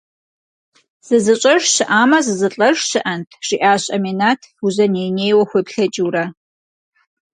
«Зызыщӏэж щыӏамэ зызылӏэж щыӏэнт?» - жиӏащ Аминат, Фузэ ней-нейуэ хуеплъэкӏыурэ.